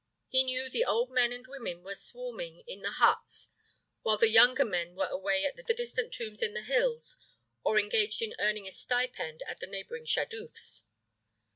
He knew the old men and women were swarming in the huts while the younger men were away at the distant tombs in the hills or engaged in earning a stipend at the neighboring shadufs.